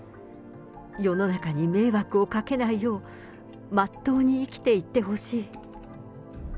世の中に迷惑をかけないよう、まっとうに生きていってほしい。